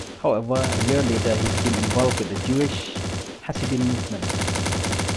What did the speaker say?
However, a year later he became involved with the Jewish Hasidim movement.